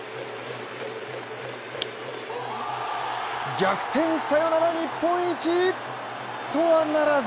逆転サヨナラ日本一とはならず。